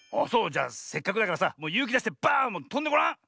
じゃせっかくだからさもうゆうきだしてバーンとんでごらん。